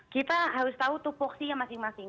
kita harus tahu tuh porsinya masing masing